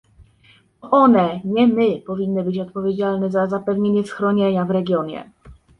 To one, nie my, powinny być odpowiedzialne za zapewnienie schronienia w regionie